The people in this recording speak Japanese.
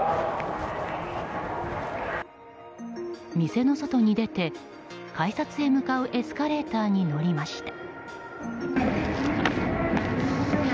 店の外に出て改札へ向かうエスカレーターに乗りました。